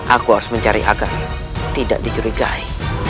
aku harus mencari akar tidak dicurigai